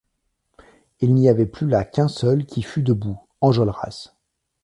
Il n’y avait plus là qu’un seul qui fût debout, Enjolras.